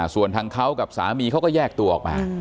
ส่วนทางเขากับสามีเขาก็แยกตัวออกมา